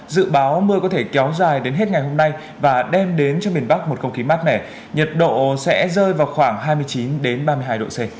dự báo mưa có thể kéo dài đến hết ngày hôm nay và đem đến cho miền bắc một không khí mát mẻ nhiệt độ sẽ rơi vào khoảng hai mươi chín ba mươi hai độ c